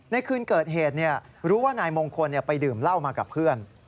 ในคืนเกิดเหตุรู้ว่านายมงคลไปดื่มเหล้ามากับเพื่อน